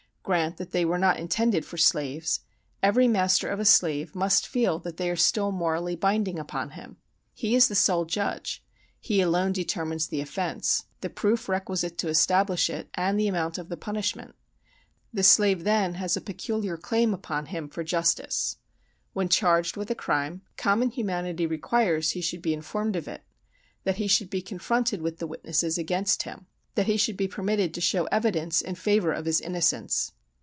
Grant that they were not intended for slaves; every master of a slave must feel that they are still morally binding upon him. He is the sole judge; he alone determines the offence, the proof requisite to establish it, and the amount of the punishment. The slave then has a peculiar claim upon him for justice. When charged with a crime, common humanity requires that he should be informed of it, that he should be confronted with the witnesses against him, that he should be permitted to show evidence in favor of his innocence.